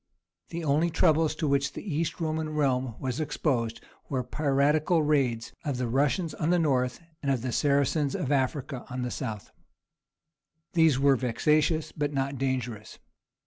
The only troubles to which the East Roman realm was exposed were piratical raids of the Russians on the north and the Saracens of Africa on the south. These were vexatious, but not dangerous.